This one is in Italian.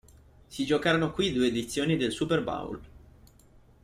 Si giocarono qui due edizioni del Super Bowl.